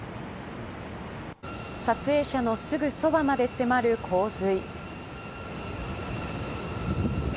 撮影者のすぐそばまで迫る洪水。